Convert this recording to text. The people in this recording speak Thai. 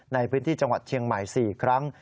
ในพื้นที่จังหวัดเชียงใหม่๔ครั้ง